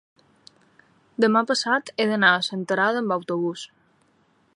demà passat he d'anar a Senterada amb autobús.